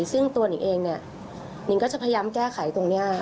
ซึ่งตัวหนิงเองเนี่ยนิงก็จะพยายามแก้ไขตรงนี้